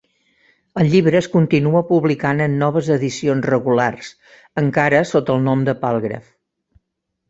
El llibre es continua publicant en noves edicions regulars; encara sota el nom de Palgrave.